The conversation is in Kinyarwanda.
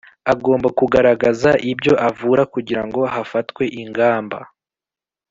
Agomba kugaragaza ibyo avura kugira ngo hafatwe ingamba